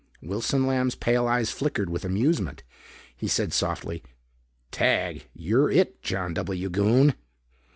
Wilson Lamb's pale eyes flickered with amusement. He said softly, "Tag, you're it, John W. Goon."